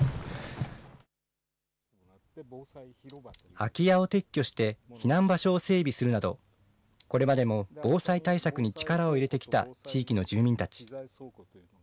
空き家を撤去して、避難場所を整備するなど、これまでも防災対策に力を入れてきた地域の住民たち。